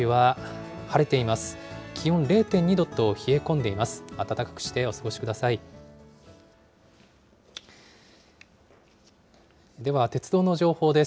では鉄道の情報です。